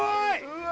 うわ